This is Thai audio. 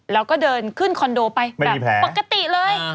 แล้วก็เดินขึ้นคอนโดไปแบบปกติเลยไม่มีแผล